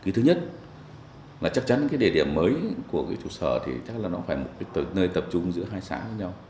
thứ nhất là chắc chắn cái địa điểm mới của cái chủ sở thì chắc là nó phải là một nơi tập trung giữa hai xã với nhau